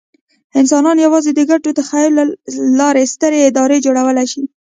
انسانان یواځې د ګډ تخیل له لارې سترې ادارې جوړولی شي.